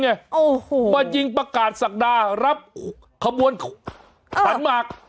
โอ้โหมายิงประกาศศักดารับขบวนขันหมาก